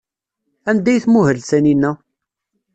Anda ay tmuhel Taninna?